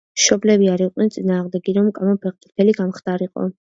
მშობლები არ იყვნენ წინააღმდეგნი, რომ კამო ფეხბურთელი გამხდარიყო.